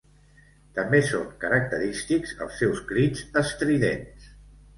També són característics els seus crits estridents.